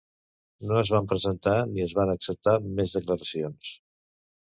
No es van presentar ni es van acceptar més declaracions.